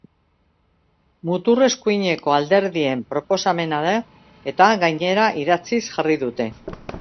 Mutur eskuineko alderdien proposamena de eta gainera, idatziz jarri dute.